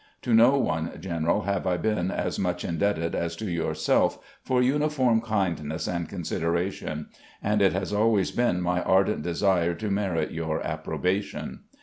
To no one, General, have I been as much indebted as to yourself for uniform kindness and con sideration, and it has always been my ardent desire to merit your approbation.